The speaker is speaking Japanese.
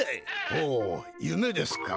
ほうゆめですか。